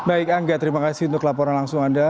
baik angga terima kasih untuk laporan langsung anda